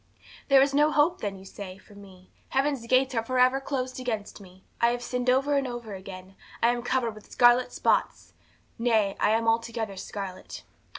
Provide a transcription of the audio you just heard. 'There is no hope, then, you say, for me; heaven's gates are for ever closed against me. I have sinned over and over again. I am covered with scarlet spots, nay, I am altogether scarlet.